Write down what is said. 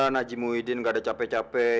najib muhyiddin ga ada capek capek